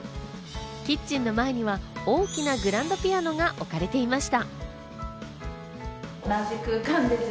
キッチンの前には大きなグランドピアノが置かれていました。